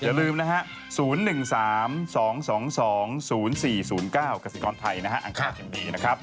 อย่าลืมนะฮะ๐๑๓๒๒๒๐๔๐๙กษิกรไทยนะฮะอังคารยังดีนะครับ